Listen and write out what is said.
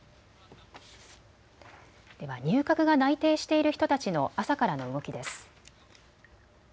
では入閣が内定している人たちの朝からの動きです。